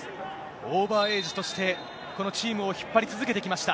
オーバーエイジとして、このチームを引っ張り続けてきました。